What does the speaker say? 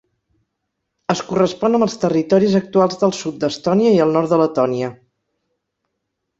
Es correspon amb els territoris actuals del sud d'Estònia i el nord de Letònia.